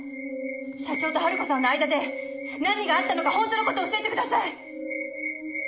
社長と春子さんの間で何があったのか本当の事を教えてください！